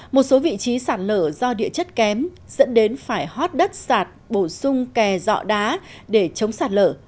một số vị trí sạt lở do địa chất kém dẫn đến phải hot đất sạt bổ sung kè dọ đá để chống sạt lở